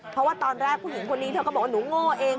เพราะว่าตอนแรกผู้หญิงคนนี้เธอก็บอกว่าหนูโง่เอง